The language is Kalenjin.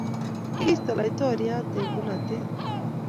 kikiisto laitoriat eng polatet